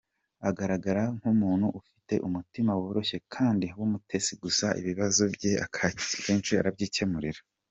Agaragara nk’umuntu ufite umutima woroshye kandi w’umutesi gusa ibibazo bye akenshi arabyimenyera.